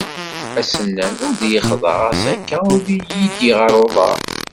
Asennan ur d ixḍa ɣas akka ur yi-iddi ɣer uḍar.